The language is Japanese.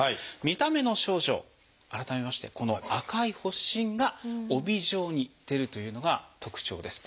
見た目の症状改めましてこの赤い発疹が帯状に出るというのが特徴です。